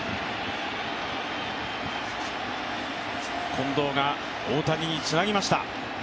近藤が大谷につなぎました。